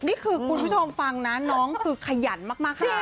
นี่คือคุณผู้ชมฟังนะน้องค่อยขยันมากค่ะ